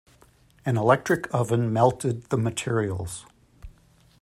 An electric oven melted the materials.